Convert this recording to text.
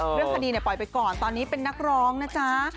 เรื่องคดีปล่อยไปก่อนตอนนี้เป็นนักร้องนะจ๊ะ